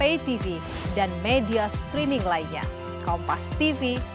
itu saja saya pikir